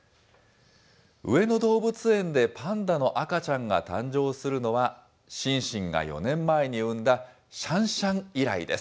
上野動物園でパンダの赤ちゃんが誕生するのは、シンシンが４年前に産んだシャンシャン以来です。